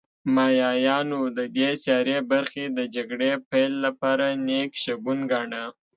مایایانو د دې سیارې برخې د جګړې پیل لپاره نېک شګون گاڼه